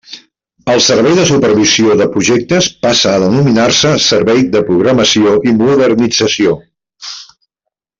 El Servei de Supervisió de Projectes passa a denominar-se Servei de Programació i Modernització.